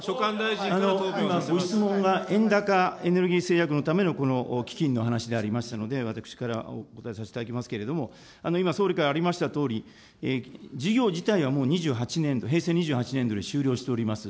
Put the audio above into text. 今、ご質問が円高エネルギー制約のためのこの基金の話でありましたので、私からお答えさせていただきますけれども、今総理からありましたとおり、事業自体はもう２８年度、平成２８年度で終了しております。